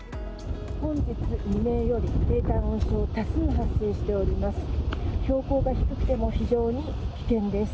本日未明より、低体温症、多数発生しております。